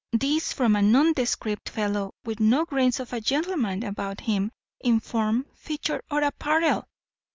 This from a nondescript fellow with no grains of a gentleman about him in form, feature, or apparel!